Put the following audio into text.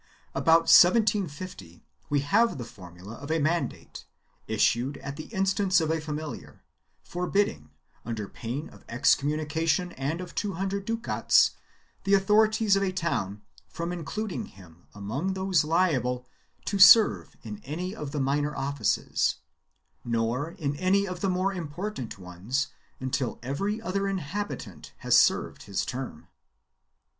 About 1750 we have the formula of a mandate, issued at the instance of a familiar, forbidding, under pain of excommunication and of two hundred ducats, the authorities of a town from including him among those liable to serve in any of the minor offices, nor in any of the more important ones until every other inhabi tant has served his turn.